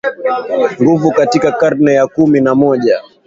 nguvu Katika karne ya kumi na moja